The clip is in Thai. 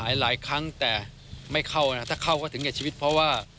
ค้างแต่ไม่เข้าถ้าเข้าก็ถึงเหตุชีวิตเพราะว่า